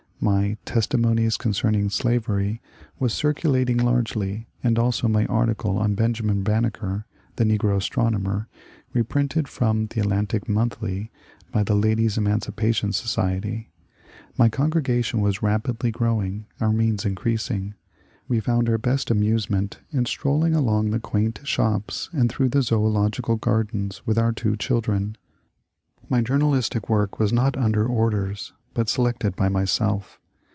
My *^ Testimonies con cerning Slavery " was circulating largely, and also my article on ^* Benjamin Banneker, the Negpro Astronomer," reprinted from the ^* Atlantic Monthly " by the ^' Ladies Emancipation Society ;" my congregation was rapidly growing, our means increasing. We found our best amusement in strolling along the quaint shops and through the Zoological Gardens with our two children. My journalistic work was not under orders, but selected by myself.